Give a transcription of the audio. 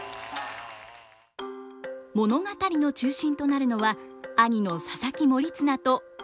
物語の中心となるのは兄の佐々木盛綱と弟の高綱。